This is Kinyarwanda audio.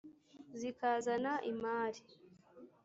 zikazana imali,